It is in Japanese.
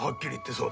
そう。